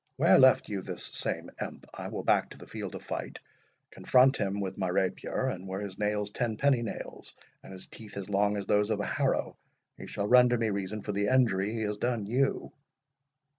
Where left you this same imp? I will back to the field of fight, confront him with my rapier, and were his nails tenpenny nails, and his teeth as long as those of a harrow, he shall render me reason for the injury he has done you."